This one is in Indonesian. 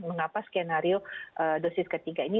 mengapa skenario dosis ketiga ini